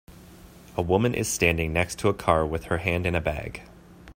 A woman is standing next to a car with her hand in a bag.